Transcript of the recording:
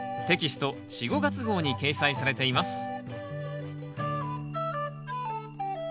テキスト４・５月号に掲載されています